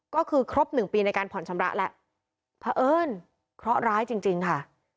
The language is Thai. ก็คือครบหนึ่งปีในการผ่อนชำระแล้วพระเอิญเคราะห์ร้ายจริงจริงค่ะ